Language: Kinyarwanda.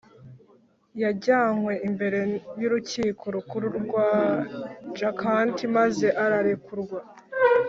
Yajyanywe imbere y’ Urukiko Rukuru rw’ i Jakarta maze ararekurwa